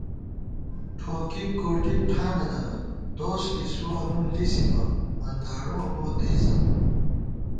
ٹھوکِک کوٹِک ٹھانہ دروت، دوس لِسُوَہ نُون لِسِبہ، منداڑُوَہ موتېسہ